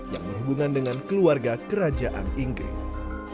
yang berhubungan dengan keluarga kerajaan inggris